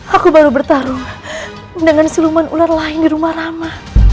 aku baru bertarung dengan seluman ular lain di rumah rama